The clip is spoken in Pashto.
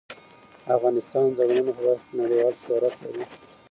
افغانستان د چنګلونه په برخه کې نړیوال شهرت لري.